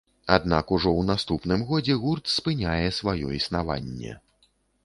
Аднак ужо ў наступным годзе гурт спыняе сваё існаванне.